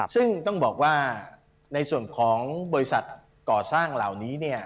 ซึ่งต้องบอกว่าในส่วนของบริษัทก่อสร้างเหล่านี้เนี่ย